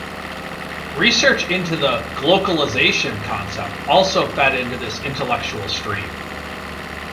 Research into the "glocalization" concept also fed into this intellectual stream.